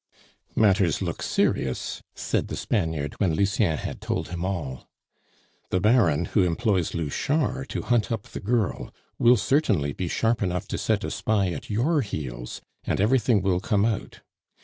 "Matters look serious," said the Spaniard, when Lucien had told him all. "The Baron, who employs Louchard to hunt up the girl, will certainly be sharp enough to set a spy at your heels, and everything will come out.